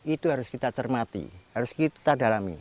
itu harus kita cermati harus kita dalami